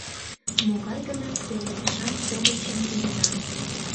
Могай гына пеледышан шовычым пидынам.